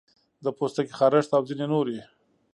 د پوستکي خارښت او ځینې نورې